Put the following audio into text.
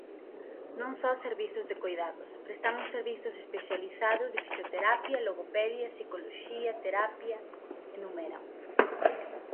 "Non só servizos de coidados; prestamos servizos especializados de fisioterapia, logopedia, psicoloxía, terapia...", enumeran.